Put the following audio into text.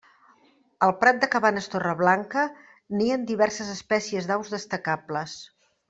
Al Prat de Cabanes-Torreblanca nien diverses espècies d'aus destacables.